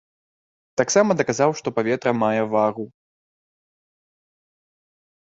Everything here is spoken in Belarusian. Таксама даказаў, што паветра мае вагу.